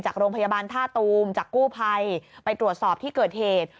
จากโรงพยาบาลท่าตูมจากกู้ภัยไปตรวจสอบที่เกิดเหตุ